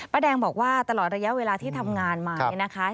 แดงบอกว่าตลอดระยะเวลาที่ทำงานมาเนี่ยนะคะ